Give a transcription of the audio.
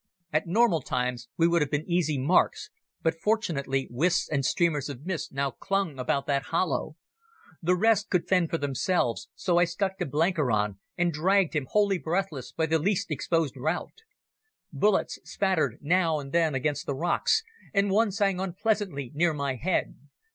At normal times we would have been easy marks, but, fortunately, wisps and streamers of mist now clung about that hollow. The rest could fend for themselves, so I stuck to Blenkiron and dragged him, wholly breathless, by the least exposed route. Bullets spattered now and then against the rocks, and one sang unpleasantly near my head.